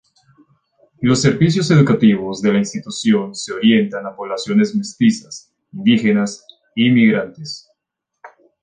Los servicios educativos de la institución se orientan a poblaciones mestizas, indígenas y migrantes.